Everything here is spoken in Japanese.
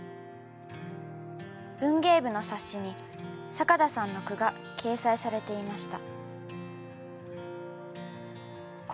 文芸部の冊子に坂田さんの句が掲載されていました。